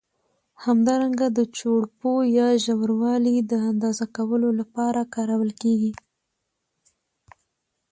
همدارنګه د چوړپو یا ژوروالي د اندازه کولو له پاره کارول کېږي.